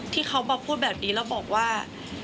ที่เขามาพูดแบบนี้แล้วบอกว่า